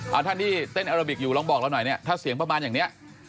เอาท่านที่เต้นอาราบิกอยู่ลองบอกเราหน่อยเนี่ยถ้าเสียงประมาณอย่างนี้